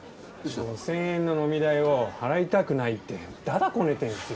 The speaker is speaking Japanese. ５，０００円の飲み代を払いたくないってだだこねてんですよ。